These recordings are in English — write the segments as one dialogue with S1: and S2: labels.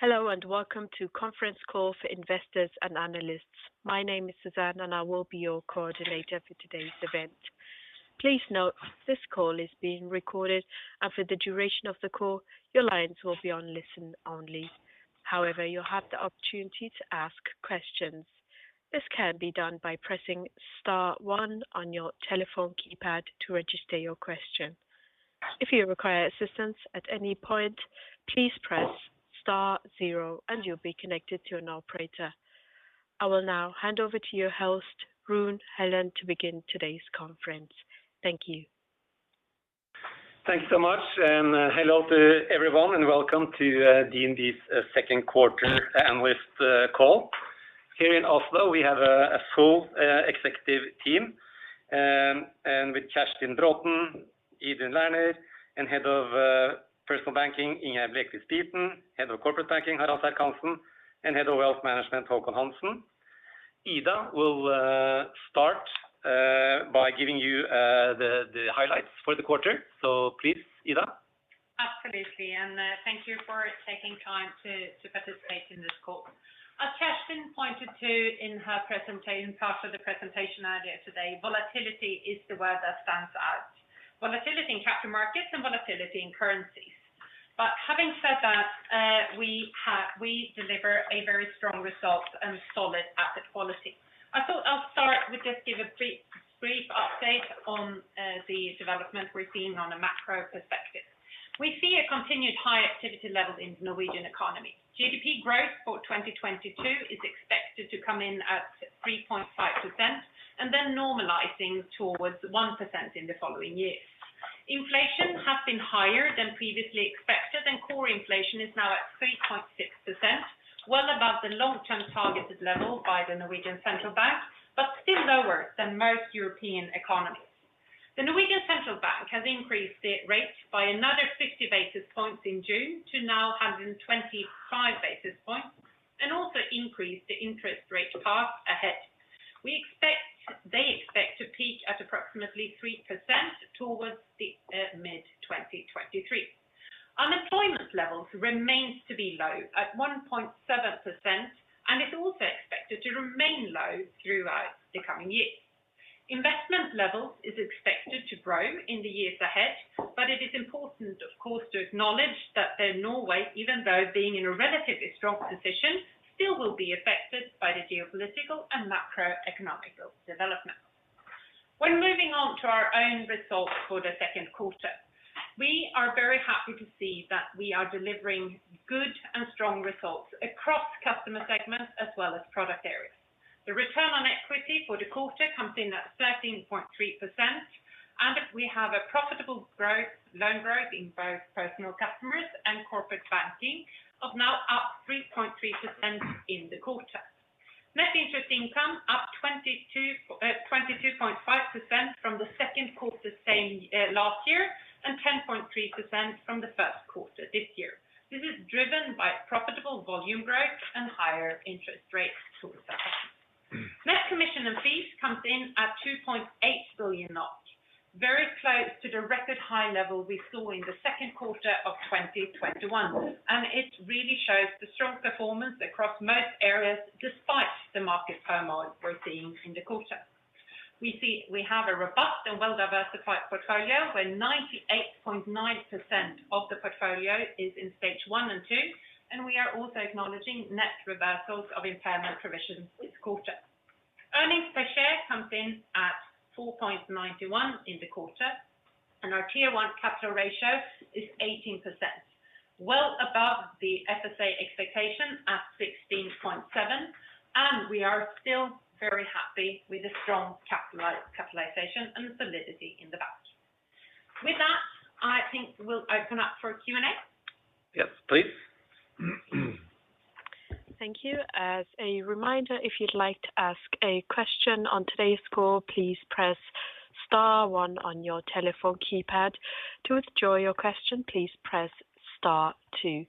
S1: Hello, and welcome to the conference call for investors and analysts. My name is Suzanne, and I will be your coordinator for today's event. Please note this call is being recorded, and for the duration of the call, your lines will be on listen-only. However, you'll have the opportunity to ask questions. This can be done by pressing star one on your telephone keypad to register your question. If you require assistance at any point, please press star zero and you'll be connected to an operator. I will now hand over to your host, Rune Helland, to begin today's conference. Thank you.
S2: Thanks so much, and hello to everyone and welcome to DNB's second quarter analyst call. Here in Oslo, we have a full executive team and with Kjerstin Braathen, Ida Lerner, and Head of Personal Banking, Ingjerd Blekeli Spiten, Head of Corporate Banking, Harald Serck-Hanssen, and Head of Wealth Management, Håkon Hansen. Ida will start by giving you the highlights for the quarter. Please, Ida.
S3: Absolutely. Thank you for taking time to participate in this call. As Kjerstin pointed to in her presentation, part of the presentation earlier today, volatility is the word that stands out. Volatility in capital markets and volatility in currencies. Having said that, we deliver a very strong result and solid asset quality. I thought I'll start with just give a brief update on the development we're seeing on a macro perspective. We see a continued high activity level in the Norwegian economy. GDP growth for 2022 is expected to come in at 3.5% and then normalizing towards 1% in the following years. Inflation has been higher than previously expected, and core inflation is now at 3.6%, well above the long-term targeted level by Norwegian Central Bank, but still lower than most European economies. Norwegian Central Bank has increased its rates by another 50 basis points in June to now 125 basis points and also increased the interest rate path ahead. They expect to peak at approximately 3% towards the mid-2023. Unemployment levels remains to be low at 1.7%, and it's also expected to remain low throughout the coming years. Investment levels is expected to grow in the years ahead, but it is important, of course, to acknowledge that Norway, even though being in a relatively strong position, still will be affected by the geopolitical and macroeconomic global development. When moving on to our own results for the second quarter, we are very happy to see that we are delivering good and strong results across customer segments as well as product areas. The return on equity for the quarter comes in at 13.3%, and we have a profitable growth, loan growth in both personal customers and corporate banking of now up 3.3% in the quarter. Net interest income up 22.5% from the second quarter same last year and 10.3% from the first quarter this year. This is driven by profitable volume growth and higher interest rates to customers. Net commission and fees comes in at 2.8 billion, very close to the record high level we saw in the second quarter of 2021. It really shows the strong performance across most areas despite the market turmoil we're seeing in the quarter. We see we have a robust and well-diversified portfolio, where 98.9% of the portfolio is in stage one and two, and we are also acknowledging net reversals of impairment provisions this quarter. Earnings per share comes in at 4.91 in the quarter, and our Tier One capital ratio is 18%, well above the FSA expectation at 16.7, and we are still very happy with the strong capital capitalization and solidity in the bank. With that, I think we'll open up for Q&A.
S2: Yes, please.
S1: Thank you. As a reminder, if you'd like to ask a question on today's call, please press star one on your telephone keypad. To withdraw your question, please press star two.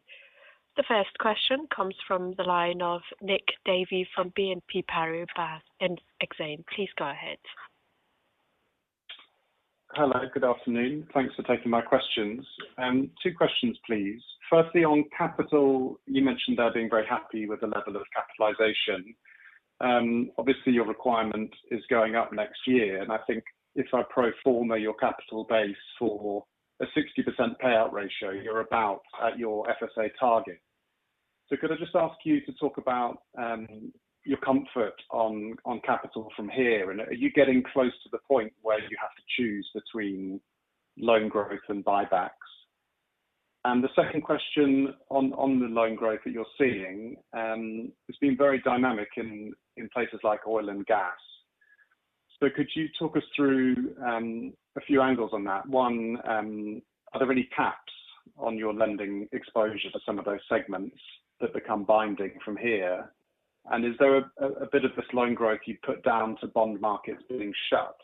S1: The first question comes from the line of Nick Davey from BNP Paribas Exane. Please go ahead.
S4: Hello, good afternoon. Thanks for taking my questions. Two questions, please. Firstly, on capital, you mentioned you're very happy with the level of capitalization. Obviously, your requirement is going up next year, and I think if I pro forma your capital base for a 60% payout ratio, you're about at your FSA target. Could I just ask you to talk about your comfort on capital from here? Are you getting close to the point where you have to choose between loan growth and buybacks? The second question on the loan growth that you're seeing, it's been very dynamic in places like oil and gas. Could you talk us through a few angles on that? One, are there any caps on your lending exposure to some of those segments that become binding from here? Is there a bit of this loan growth you put down to bond markets being shut?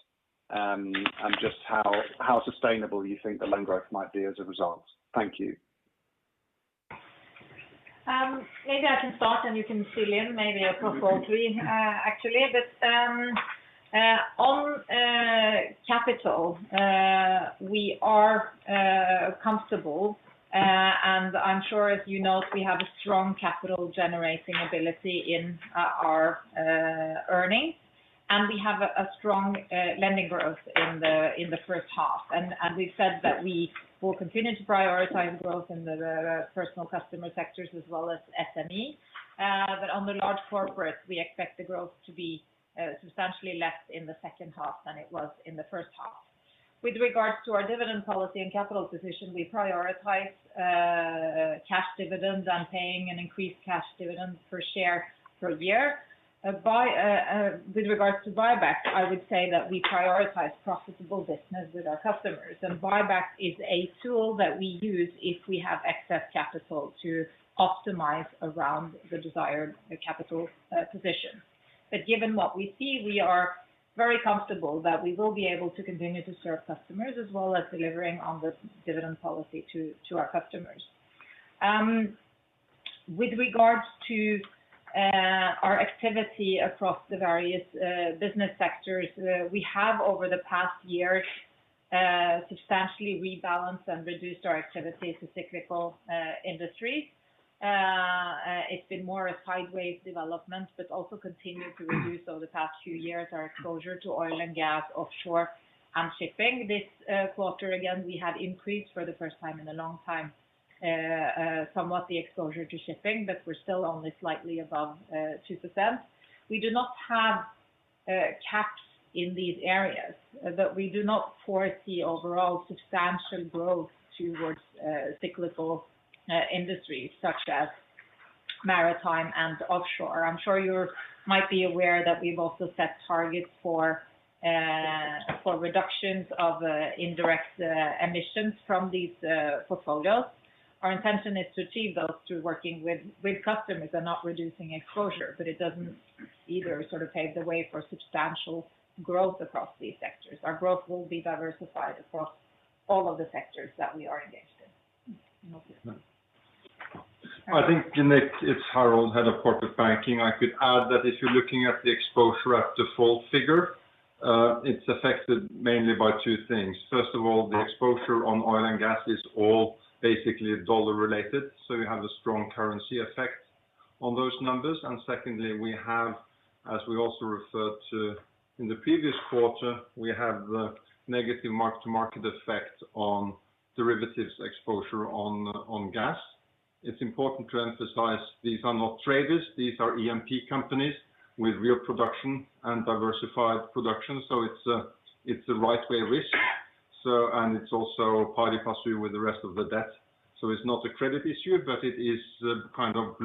S4: Just how sustainable you think the loan growth might be as a result? Thank you.
S5: Maybe I can start and you can fill in maybe across all three, actually. On capital, we are comfortable. I'm sure as you note, we have a strong capital generating ability in our earnings. We have a strong lending growth in the first half. We've said that we will continue to prioritize growth in the personal customer sectors as well as SME. On the large corporate, we expect the growth to be substantially less in the second half than it was in the first half. With regards to our dividend policy and capital position, we prioritize cash dividends and paying an increased cash dividend per share per year. With regards to buyback, I would say that we prioritize profitable business with our customers. Buyback is a tool that we use if we have excess capital to optimize around the desired capital position. Given what we see, we are very comfortable that we will be able to continue to serve customers as well as delivering on this dividend policy to our customers. With regards to our activity across the various business sectors, we have over the past year substantially rebalanced and reduced our activity to cyclical industry. It's been more a sideways development, but also continued to reduce over the past few years our exposure to oil and gas offshore and shipping. This quarter, again, we had increased for the first time in a long time somewhat the exposure to shipping, but we're still only slightly above 2%. We do not have caps in these areas, but we do not foresee overall substantial growth towards cyclical industries such as maritime and offshore. I'm sure you might be aware that we've also set targets for reductions of indirect emissions from these portfolios. Our intention is to achieve those through working with customers and not reducing exposure. But it doesn't either sort of pave the way for substantial growth across these sectors. Our growth will be diversified across all of the sectors that we are engaged in.
S6: I think, Nick, it's Harald, Head of Corporate Banking. I could add that if you're looking at the exposure at default figure, it's affected mainly by two things. First of all, the exposure on oil and gas is all basically dollar-related, so you have a strong currency effect on those numbers. Secondly, we have, as we also referred to in the previous quarter, we have the negative mark-to-market effect on derivatives exposure on gas. It's important to emphasize these are not traders, these are E&P companies with real production and diversified production. It's a right-way risk. It's also partly possibly with the rest of the debt. It's not a credit issue, but it is kind of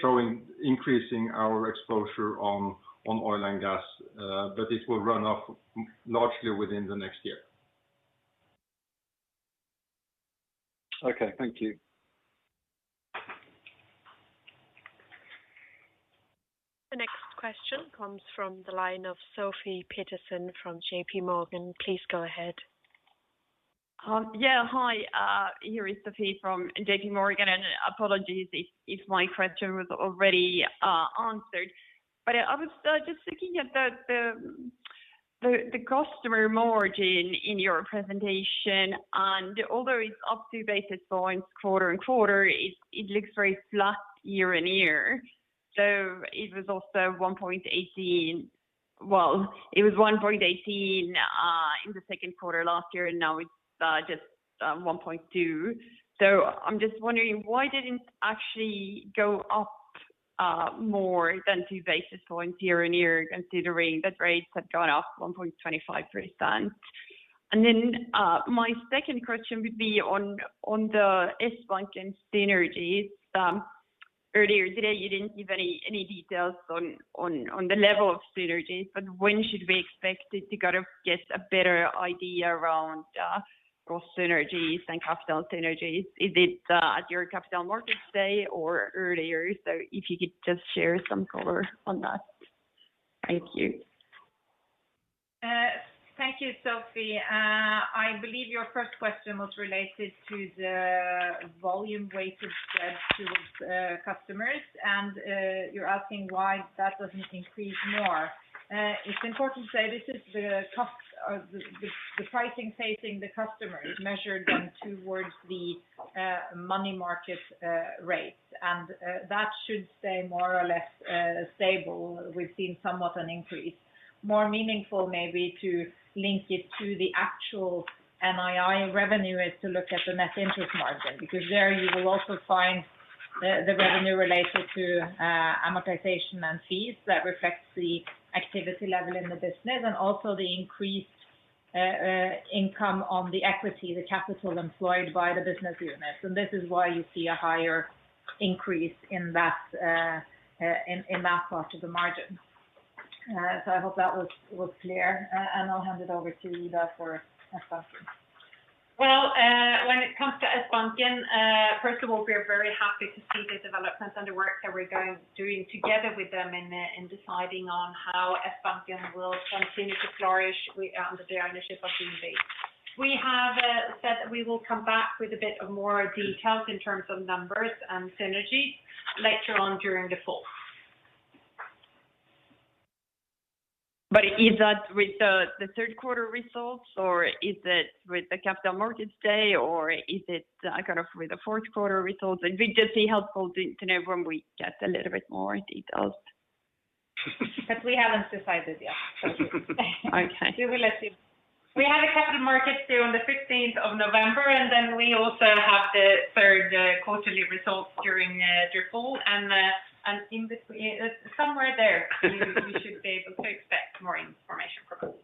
S6: showing increasing our exposure on oil and gas. It will run off largely within the next year.
S4: Okay, thank you.
S1: The next question comes from the line of Sofie Peterzéns from JPMorgan. Please go ahead.
S7: Here is Sofie from JPMorgan. Apologies if my question was already answered. I was just looking at the customer margin in your presentation, and although it's up two basis points quarter-over-quarter, it looks very flat year-over-year. It was also 1.18%. It was 1.18% in the second quarter last year, and now it's just 1.2%. I'm just wondering why didn't actually go up more than two basis points year-over-year considering that rates have gone up 1.25%. My second question would be on the Sbanken synergies. Earlier today you didn't give any details on the level of synergies, but when should we expect it to kind of get a better idea around growth synergies and capital synergies? Is it at your Capital Markets Day or earlier? If you could just share some color on that. Thank you.
S5: Thank you, Sofie. I believe your first question was related to the volume weighted spread towards customers, and you're asking why that doesn't increase more. It's important to say this is the cost of the pricing facing the customers measured against the money market rates. That should stay more or less stable. We've seen somewhat of an increase. More meaningful maybe to link it to the actual NII revenue is to look at the net interest margin, because there you will also find the revenue related to amortization and fees that reflects the activity level in the business and also the increased income on the equity, the capital employed by the business unit. This is why you see a higher increase in that part of the margin. I hope that was clear. I'll hand it over to Ida for a comment.
S3: Well, when it comes to Sbanken, first of all, we're very happy to see. That's underway that we're doing together with them in deciding on how Sbanken will continue to flourish under the ownership of DNB. We have said that we will come back with a bit more details in terms of numbers and synergies later on during the fall.
S7: Is that with the third quarter results, or is it with the Capital Markets Day, or is it kind of with the fourth quarter results? It would just be helpful to know when we get a little bit more details.
S5: That we haven't decided yet.
S7: Okay.
S5: We have a Capital Markets Day on the 15th of November, and then we also have the third quarterly results during the fall and in between. Somewhere there we should be able to expect more information from us.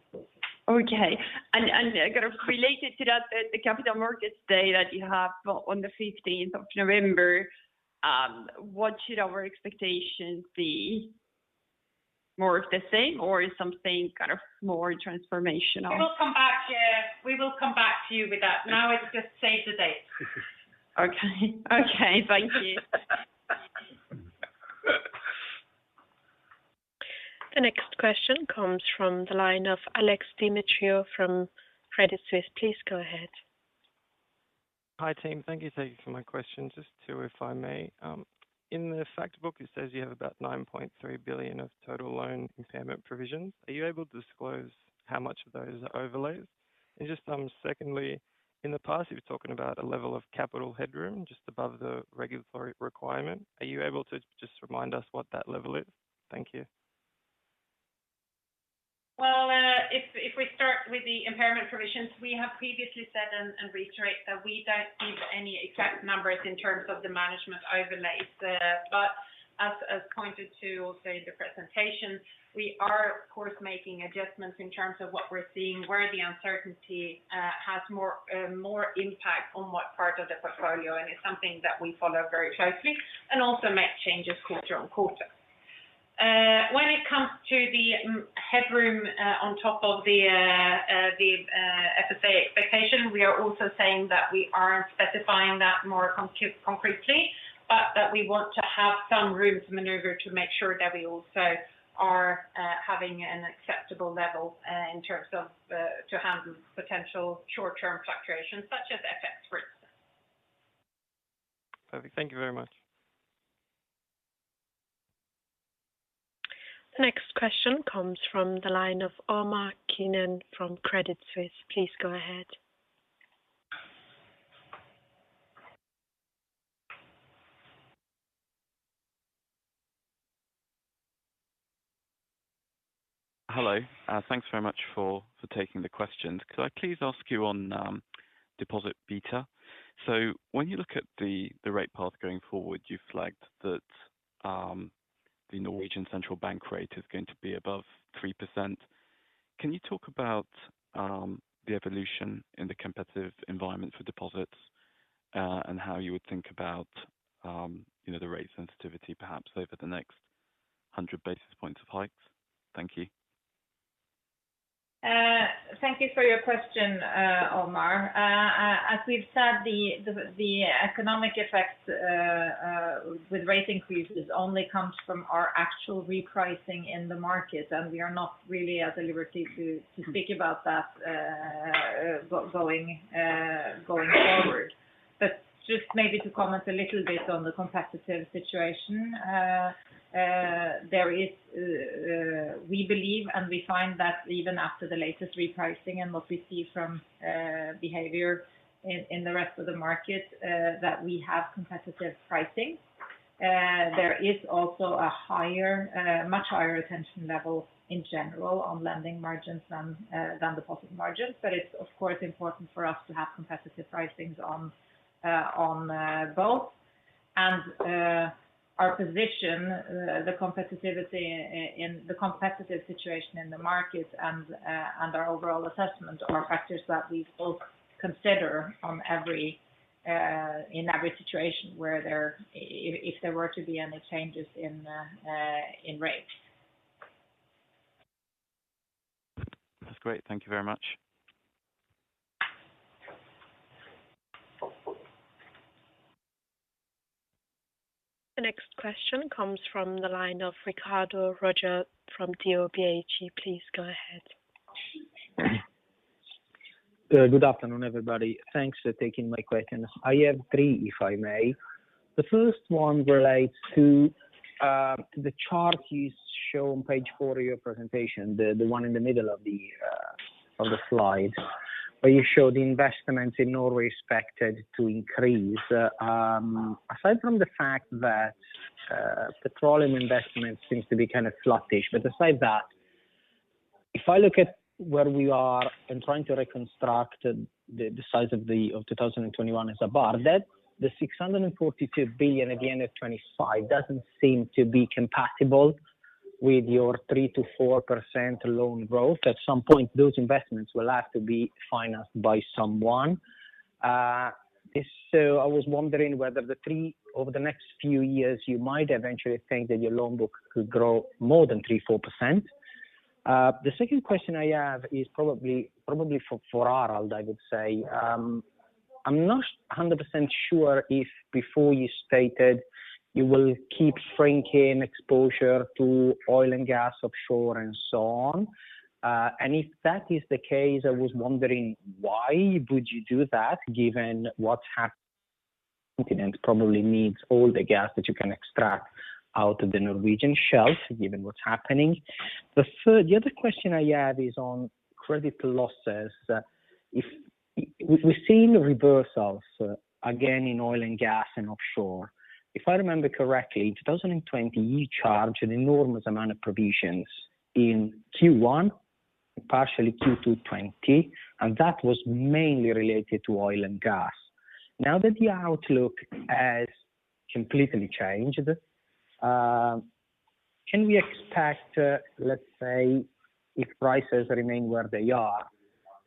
S7: Okay. Kind of related to that, the Capital Markets Day that you have on the 15th of November, what should our expectation be? More of the same or is something kind of more transformational?
S5: We will come back. Yeah, we will come back to you with that. Now it's just save the date.
S7: Okay. Thank you.
S1: The next question comes from the line of Alex Demetriou from Credit Suisse. Please go ahead.
S8: Hi, team. Thank you for taking my question. Just two, if I may. In the fact book, it says you have about 9.3 billion of total loan impairment provisions. Are you able to disclose how much of those are overlays? Just, secondly, in the past, you were talking about a level of capital headroom just above the regulatory requirement. Are you able to just remind us what that level is? Thank you.
S5: If we start with the impairment provisions, we have previously said and reiterate that we don't give any exact numbers in terms of the management overlays. But as pointed to or say in the presentation, we are of course making adjustments in terms of what we're seeing, where the uncertainty has more impact on what part of the portfolio. It's something that we follow very closely and also make changes quarter on quarter. When it comes to the headroom on top of the FSA expectation, we are also saying that we aren't specifying that more concretely, but that we want to have some room to maneuver to make sure that we also are having an acceptable level in terms of to handle potential short-term fluctuations such as FX risks.
S8: Perfect. Thank you very much.
S1: The next question comes from the line of Omar Keenan from Credit Suisse. Please go ahead.
S9: Hello. Thanks very much for taking the questions. Could I please ask you on deposit beta. So when you look at the rate path going forward, you flagged that the Norwegian central bank rate is going to be above 3%. Can you talk about the evolution in the competitive environment for deposits, and how you would think about, you know, the rate sensitivity perhaps over the next 100 basis points of hikes? Thank you.
S5: Thank you for your question, Omar. As we've said, the economic effects with rate increases only comes from our actual repricing in the market, and we are not really at the liberty to speak about that going forward. Just maybe to comment a little bit on the competitive situation, there is, we believe and we find that even after the latest repricing and what we see from behavior in the rest of the market, that we have competitive pricing. There is also a much higher attention level in general on lending margins than deposit margins. It's of course important for us to have competitive pricings on both. Our position, the competitiveness in the competitive situation in the markets and our overall assessment are factors that we will consider in every situation where if there were to be any changes in rates.
S9: That's great. Thank you very much.
S1: The next question comes from the line of Riccardo Rovere from ODDO BHF. Please go ahead.
S10: Good afternoon, everybody. Thanks for taking my question. I have three, if I may. The first one relates to the chart you show on page four of your presentation, the one in the middle of the slide, where you show the investments in Norway expected to increase. Aside from the fact that petroleum investment seems to be kind of sluggish. Aside from that, if I look at where we are in trying to reconstruct the size of 2021 as a bar, that the 642 billion again at 2025 doesn't seem to be compatible with your 3%-4% loan growth. At some point, those investments will have to be financed by someone. I was wondering whether over the next few years, you might eventually think that your loan book could grow more than 3%-4%. The second question I have is probably for Harald, I would say. I'm not 100% sure if before you stated you will keep shrinking exposure to oil and gas offshore and so on. If that is the case, I was wondering why would you do that given what's happening, the continent probably needs all the gas that you can extract out of the Norwegian shelf, given what's happening. The other question I have is on credit losses. We've seen reversals again in oil and gas and offshore. If I remember correctly, 2020, you charged an enormous amount of provisions in Q1, partially Q2 2020, and that was mainly related to oil and gas. Now that the outlook has completely changed, can we expect, let's say, if prices remain where they are,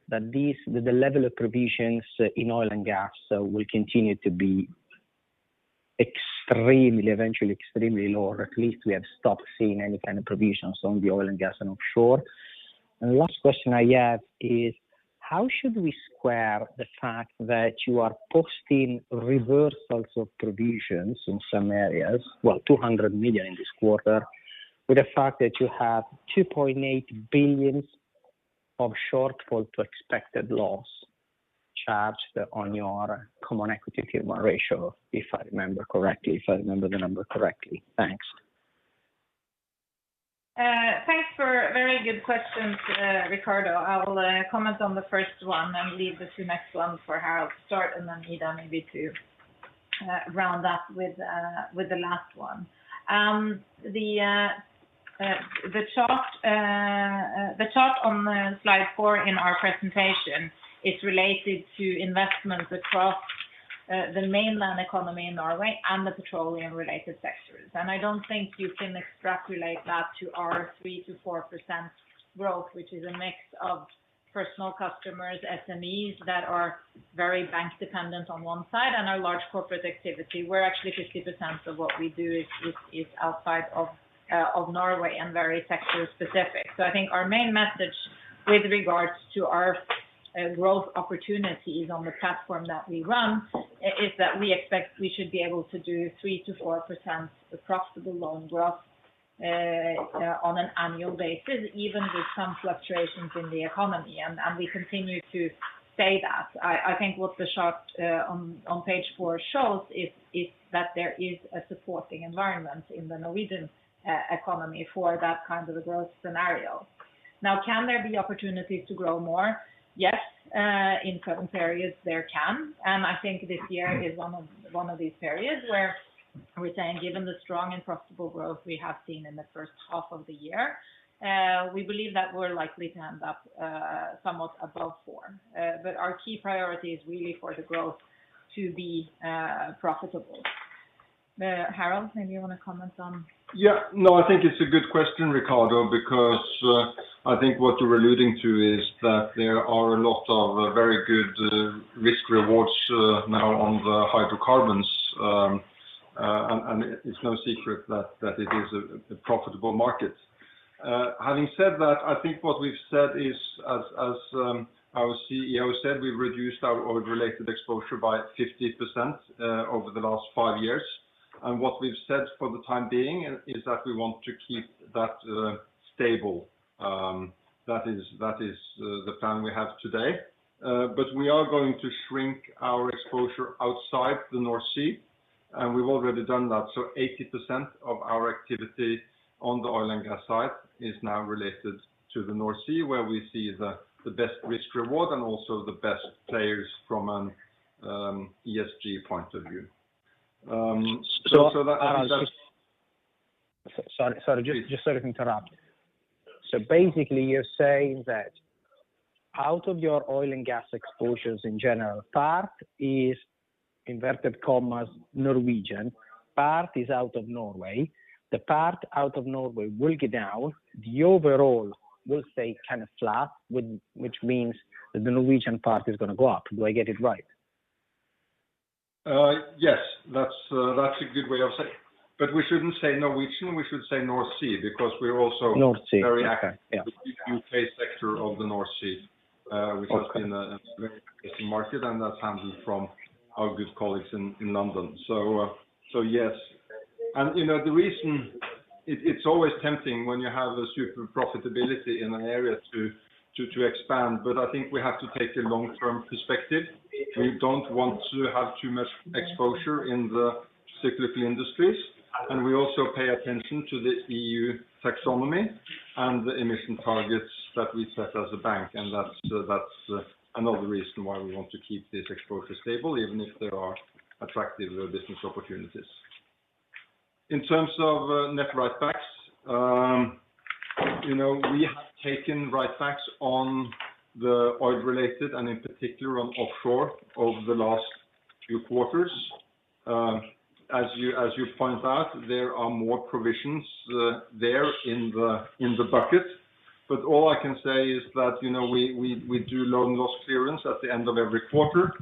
S10: that the level of provisions in oil and gas will continue to be extremely low, or at least we have stopped seeing any kind of provisions on the oil and gas and offshore? The last question I have is how should we square the fact that you are posting reversals of provisions in some areas, well, 200 million in this quarter, with the fact that you have 2.8 billion of shortfall to expected loss charged on your common equity tier one ratio, if I remember correctly, if I remember the number correctly? Thanks.
S5: Thanks for very good questions, Riccardo. I will comment on the first one, then leave the two next ones for Harald to start and then Ida maybe to round up with the last one. The chart on slide four in our presentation is related to investments across the mainland economy in Norway and the petroleum related sectors. I don't think you can extrapolate that to our 3%-4% growth, which is a mix of personal customers, SMEs that are very bank dependent on one side and our large corporate activity, where actually 50% of what we do is outside of Norway and very sector specific. I think our main message with regards to our growth opportunities on the platform that we run is that we expect we should be able to do 3%-4% across the loan growth on an annual basis, even with some fluctuations in the economy, and we continue to say that. I think what the chart on page four shows is that there is a supporting environment in the Norwegian economy for that kind of a growth scenario. Now, can there be opportunities to grow more? Yes, in certain periods there can. I think this year is one of these periods where we're saying, given the strong and profitable growth we have seen in the first half of the year, we believe that we're likely to end up somewhat above 4%. Our key priority is really for the growth to be profitable. Harald, maybe you want to comment on.
S6: Yeah. No, I think it's a good question, Riccardo, because I think what you're alluding to is that there are a lot of very good risk rewards now on the hydrocarbons. It's no secret that it is a profitable market. Having said that, I think what we've said is as our CEO said, we've reduced our oil-related exposure by 50% over the last five years. What we've said for the time being is that we want to keep that stable. That is the plan we have today. We are going to shrink our exposure outside the North Sea, and we've already done that. 80% of our activity on the oil and gas side is now related to the North Sea, where we see the best risk reward and also the best players from an ESG point of view.
S10: Harald, just sorry to interrupt.
S6: Please.
S10: Basically you're saying that out of your oil and gas exposures in general, part is, inverted commas, Norwegian, part is out of Norway. The part out of Norway will go down. The overall will stay kind of flat, which means that the Norwegian part is gonna go up. Do I get it right?
S6: Yes, that's a good way of saying. We shouldn't say Norwegian, we should say North Sea, because we're also.
S10: North Sea. Okay. Yeah.
S6: Very active in the U.K. sector of the North Sea.
S10: Okay
S6: which has been an interesting market, and that's handled from our good colleagues in London. Yes. You know, the reason it's always tempting when you have a super profitability in an area to expand, but I think we have to take a long-term perspective. We don't want to have too much exposure in the cyclical industries, and we also pay attention to the EU Taxonomy and the emission targets that we set as a bank. That's another reason why we want to keep this exposure stable, even if there are attractive business opportunities. In terms of net write-backs, you know, we have taken write-backs on the oil-related and in particular on offshore over the last few quarters. As you point out, there are more provisions there in the bucket. All I can say is that, you know, we do loan loss clearance at the end of every quarter,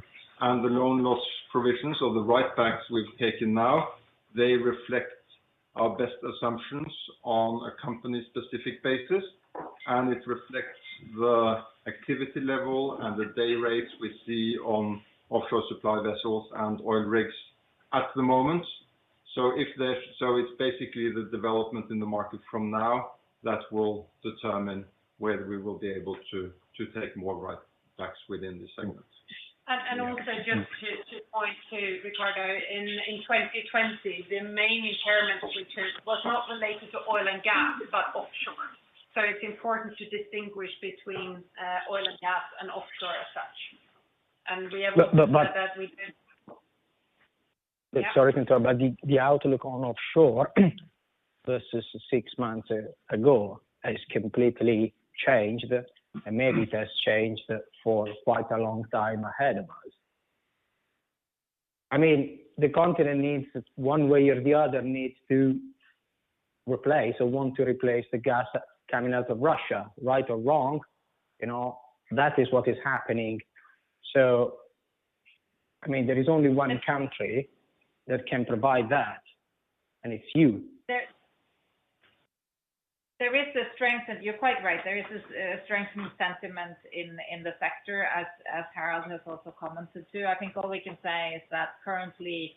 S6: and the loan loss provisions or the write backs we've taken now. They reflect our best assumptions on a company-specific basis, and it reflects the activity level and the day rates we see on offshore supply vessels and oil rigs at the moment. It's basically the development in the market from now that will determine whether we will be able to take more write backs within this segment.
S5: also just to point to Riccardo, in 2020, the main impairment we took was not related to oil and gas, but offshore. It's important to distinguish between oil and gas and offshore as such. we have-
S10: But, but-
S5: Yeah.
S10: Sorry to interrupt. The outlook on offshore versus six months ago has completely changed, and maybe it has changed for quite a long time ahead of us. I mean, the continent needs, one way or the other, needs to replace or want to replace the gas that coming out of Russia, right or wrong, you know, that is what is happening. I mean, there is only one country that can provide that, and it's you.
S5: You're quite right. There is this strengthening sentiment in the sector as Harald has also commented on. I think all we can say is that currently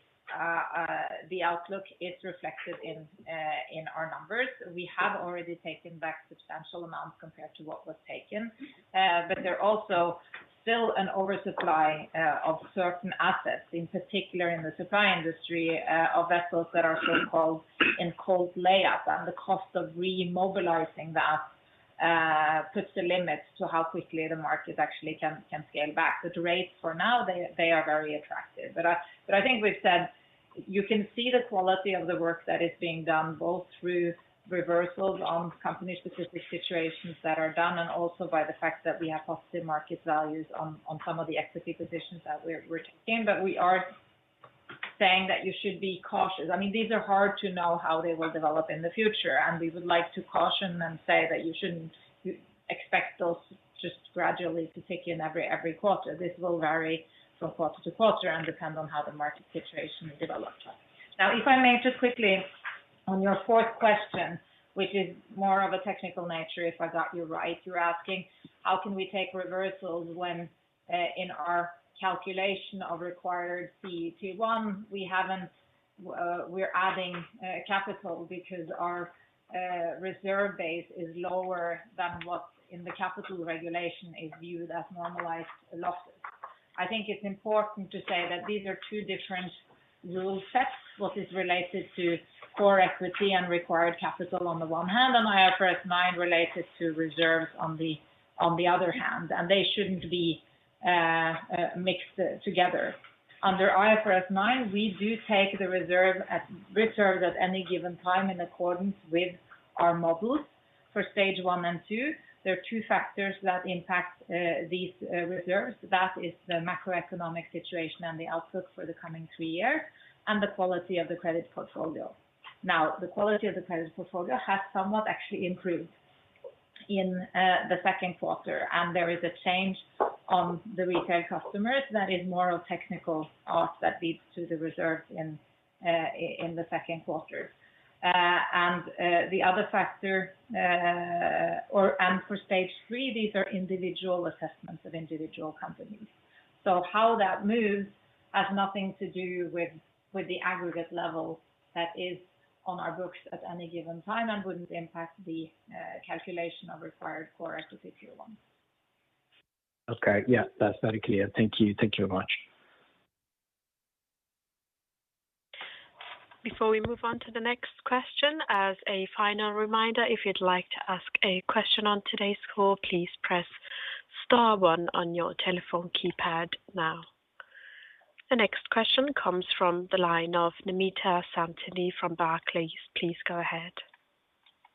S5: the outlook is reflected in our numbers. We have already taken back substantial amounts compared to what was taken. There are also still an oversupply of certain assets, in particular in the supply industry, of vessels that are so-called in cold lay-up. The cost of remobilizing that puts the limits to how quickly the market actually can scale back. The rates for now, they are very attractive. I think we've said you can see the quality of the work that is being done, both through reversals on company-specific situations that are done, and also by the fact that we have positive market values on some of the equity positions that we're taking. We are saying that you should be cautious. I mean, these are hard to know how they will develop in the future, and we would like to caution and say that you shouldn't expect those just gradually to tick in every quarter. This will vary from quarter to quarter and depend on how the market situation develops. Now, if I may just quickly on your fourth question, which is more of a technical nature, if I got you right, you're asking how can we take reversals when, in our calculation of required CET1 we haven't. We're adding capital because our reserve base is lower than what's in the capital regulation is viewed as normalized losses. I think it's important to say that these are two different rule sets. What is related to core equity and required capital on the one hand, and IFRS 9 related to reserves on the other hand. They shouldn't be mixed together. Under IFRS 9, we do take reserves at any given time in accordance with our models. For stage one and two, there are two factors that impact these reserves. That is the macroeconomic situation and the outlook for the coming three years and the quality of the credit portfolio. Now, the quality of the credit portfolio has somewhat actually improved in the second quarter, and there is a change on the retail customers that is more a technical ask that leads to the reserves in the second quarter. The other factor, and for stage three, these are individual assessments of individual companies. How that moves has nothing to do with the aggregate level that is on our books at any given time and wouldn't impact the calculation of required core equity, if you want.
S10: Okay. Yeah. That's very clear. Thank you. Thank you very much.
S1: Before we move on to the next question, as a final reminder, if you'd like to ask a question on today's call, please press star one on your telephone keypad now. The next question comes from the line of Namita Samtani from Barclays. Please go ahead.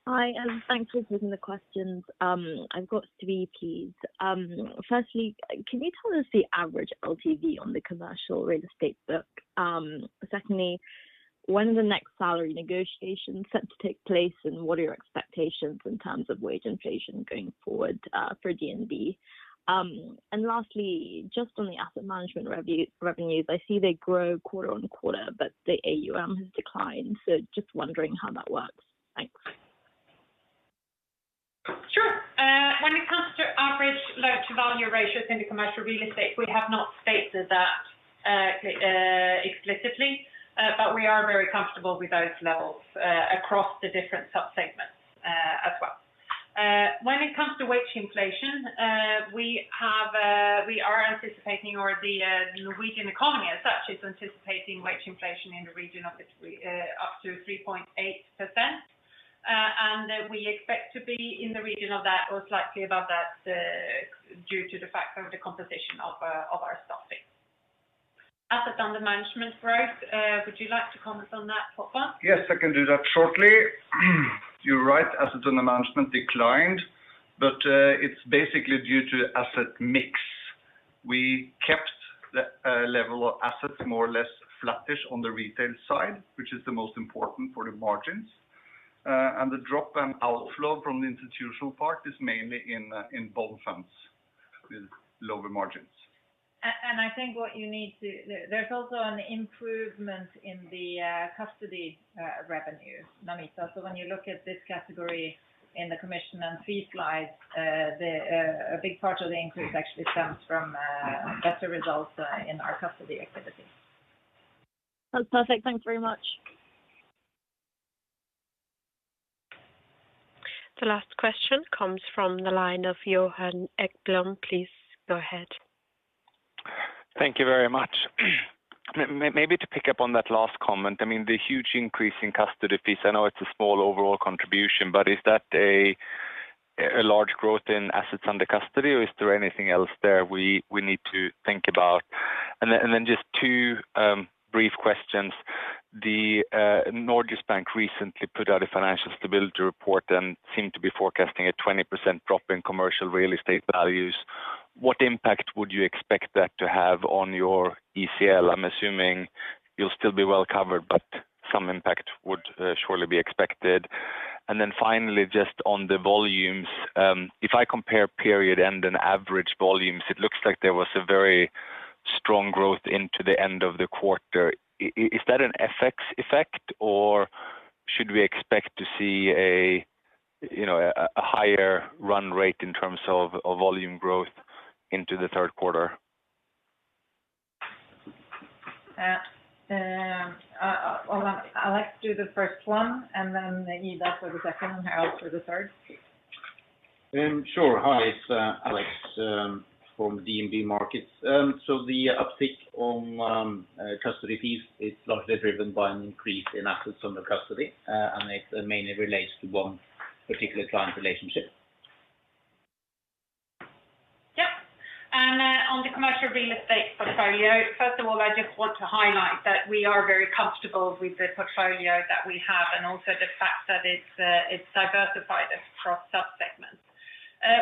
S11: Hi, and thanks for taking the questions. I've got three, please. Firstly, can you tell us the average LTV on the commercial real estate book? Secondly, when are the next salary negotiations set to take place, and what are your expectations in terms of wage inflation going forward for DNB? Lastly, just on the asset management revenues, I see they grow quarter-over-quarter, but the AUM has declined. Just wondering how that works. Thanks.
S5: Sure. When it comes to average loan-to-value ratios in commercial real estate, we have not stated that explicitly, but we are very comfortable with those levels across the different sub-segments, as well. When it comes to wage inflation, we are anticipating or the Norwegian economy as such is anticipating wage inflation in the region of up to 3.8%. We expect to be in the region of that or slightly above that due to the fact of the composition of our staffing. Assets under management growth, would you like to comment on that, Håkon?
S12: Yes, I can do that shortly. You're right, assets under management declined, but it's basically due to asset mix. We kept the level of assets more or less flattish on the retail side, which is the most important for the margins. The drop and outflow from the institutional part is mainly in bond funds. With lower margins.
S5: There's also an improvement in the custody revenue, Namita. When you look at this category in the commissions and fees slides, a big part of the increase actually stems from better results in our custody activity.
S11: That's perfect. Thank you very much.
S1: The last question comes from the line of Johan Ekblom. Please go ahead.
S13: Thank you very much. Maybe to pick up on that last comment, I mean, the huge increase in custody fees, I know it's a small overall contribution, but is that a large growth in assets under custody, or is there anything else there we need to think about? Just two brief questions. Norges Bank recently put out a financial stability report and seemed to be forecasting a 20% drop in commercial real estate values. What impact would you expect that to have on your ECL? I'm assuming you'll still be well covered, but some impact would surely be expected. Finally, just on the volumes, if I compare period end and average volumes, it looks like there was a very strong growth into the end of the quarter. Is that an FX effect, or should we expect to see a, you know, higher run rate in terms of volume growth into the third quarter?
S5: Alex, do the first one, and then Ida for the second and Harald for the third.
S14: Hi, it's Alex from DNB Markets. The uptick in custody fees is largely driven by an increase in assets under custody, and it mainly relates to one particular client relationship.
S3: Yep. On the commercial real estate portfolio, first of all, I just want to highlight that we are very comfortable with the portfolio that we have and also the fact that it's diversified across subsegments.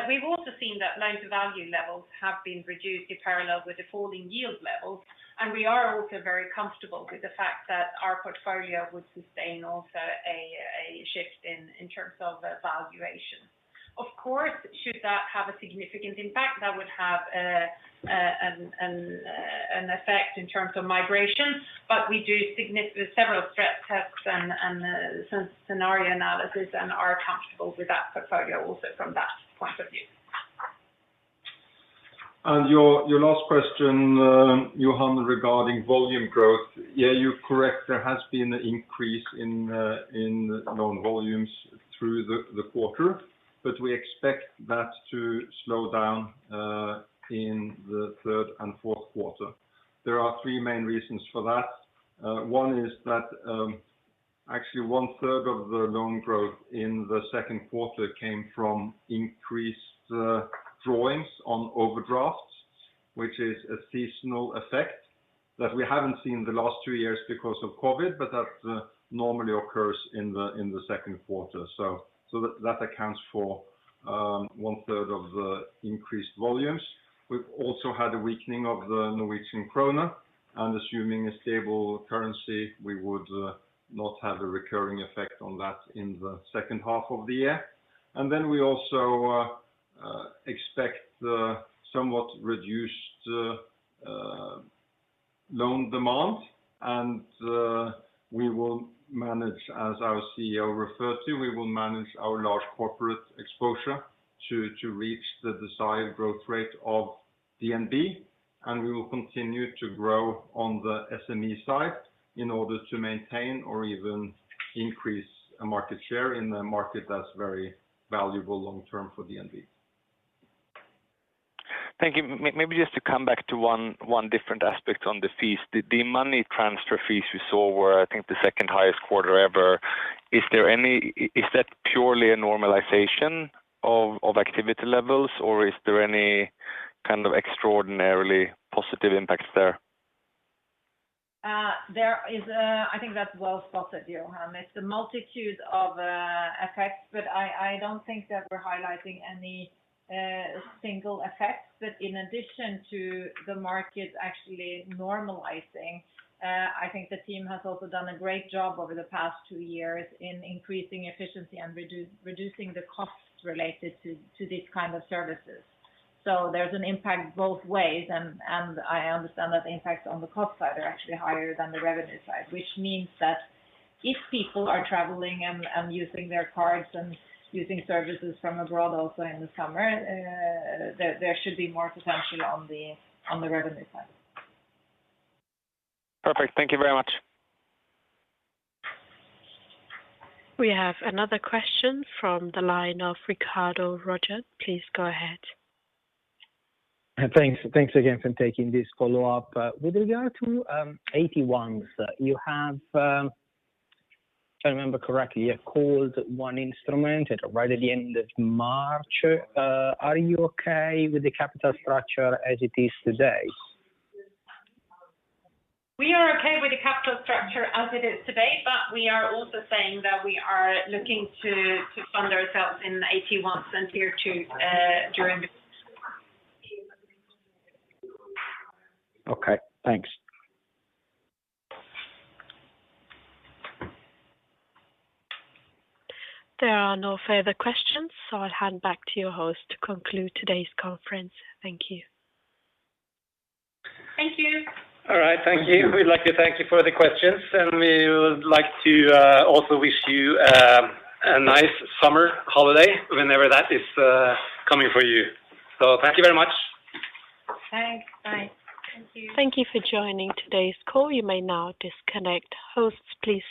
S3: We've also seen that loan-to-value levels have been reduced in parallel with the falling yield levels, and we are also very comfortable with the fact that our portfolio would sustain a shift in terms of valuation. Of course, should that have a significant impact, that would have an effect in terms of migration, but we do several stress tests and scenario analysis and are comfortable with that portfolio also from that point of view.
S6: Your last question, Johan, regarding volume growth. Yeah, you're correct. There has been increase in loan volumes through the quarter, but we expect that to slow down in the third and fourth quarter. There are three main reasons for that. One is that, actually one third of the loan growth in the second quarter came from increased drawings on overdrafts, which is a seasonal effect that we haven't seen the last two years because of COVID, but that normally occurs in the second quarter. That accounts for one third of the increased volumes. We've also had a weakening of the Norwegian krone, and assuming a stable currency, we would not have a recurring effect on that in the second half of the year. We also expect the somewhat reduced loan demand and we will manage, as our CEO referred to, our large corporate exposure to reach the desired growth rate of DNB, and we will continue to grow on the SME side in order to maintain or even increase a market share in a market that's very valuable long term for DNB.
S13: Thank you. Maybe just to come back to one different aspect on the fees. The money transfer fees we saw were, I think, the second highest quarter ever. Is that purely a normalization of activity levels, or is there any kind of extraordinarily positive impacts there?
S5: I think that's well spotted, Johan. It's a multitude of effects, but I don't think that we're highlighting any single effects. In addition to the market actually normalizing, I think the team has also done a great job over the past two years in increasing efficiency and reducing the costs related to these kind of services. There's an impact both ways, and I understand that the impacts on the cost side are actually higher than the revenue side, which means that if people are traveling and using their cards and using services from abroad also in the summer, there should be more potential on the revenue side.
S13: Perfect. Thank you very much.
S1: We have another question from the line of Riccardo Rovere. Please go ahead.
S10: Thanks. Thanks again for taking this follow-up. With regard to AT1s, you have, if I remember correctly, you called one instrument right at the end of March. Are you okay with the capital structure as it is today?
S5: We are okay with the capital structure as it is today, but we are also saying that we are looking to fund ourselves in AT1s and Tier Two during the.
S10: Okay. Thanks.
S1: There are no further questions, so I'll hand back to your host to conclude today's conference. Thank you.
S5: Thank you.
S2: All right. Thank you. We'd like to thank you for the questions, and we would like to also wish you a nice summer holiday whenever that is coming for you. Thank you very much.
S5: Thanks. Bye.
S3: Thank you.
S1: Thank you for joining today's call. You may now disconnect. Hosts, please.